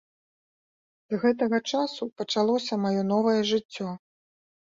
З гэтага часу пачалося маё новае жыццё.